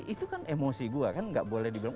itu kan emosi gue kan gak boleh dibilang